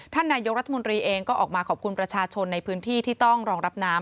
ท่านนายกรัฐมนตรีเองก็ออกมาขอบคุณประชาชนในพื้นที่ที่ต้องรองรับน้ำ